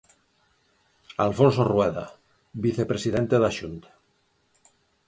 Alfonso Rueda, vicepresidente da Xunta.